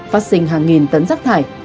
phát sinh hàng nghìn tấn rác thải